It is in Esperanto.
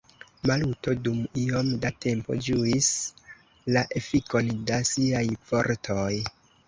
Maluto dum iom da tempo ĝuis la efikon de siaj vortoj.